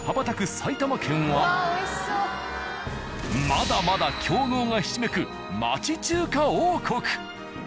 まだまだ強豪がひしめく町中華王国。